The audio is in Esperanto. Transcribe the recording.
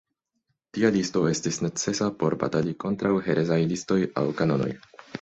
Tia listo estis necesa por batali kontraŭ herezaj listoj aŭ kanonoj.